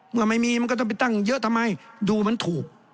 เมื่อไม่มีมันก็ต้องไปตั้งเยอะทำไมดูมันถูก